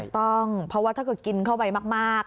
ถูกต้องเพราะว่าถ้ากินเข้าไปมาก